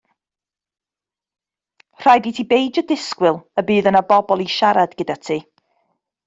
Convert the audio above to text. Rhaid i ti beidio disgwyl y bydd yno bobl i siarad gyda ti.